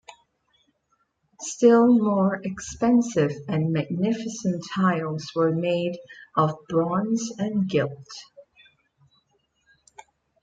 Still more expensive and magnificent tiles were made of bronze and gilt.